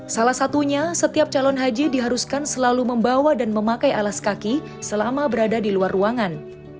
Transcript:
salah satunya setiap calon haji diharuskan selalu membawa dan memakai alas kaki selama berada di luar ruangan